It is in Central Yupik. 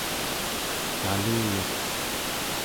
taluyaq